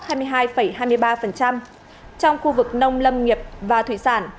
trong khu vực nông lâm nghiệp và thủy sản